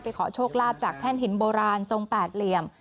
ขอโชคลาภจากแท่นหินโบราณทรงแปดเหลี่ยม